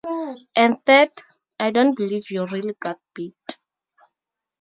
And third, I don't believe you really got bit.